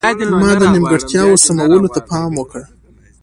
ما د نیمګړتیاوو سمولو ته پام وکړ.